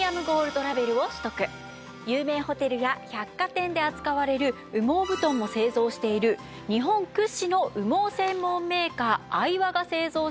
有名ホテルや百貨店で扱われる羽毛布団も製造している日本屈指の羽毛専門メーカーアイワが製造した。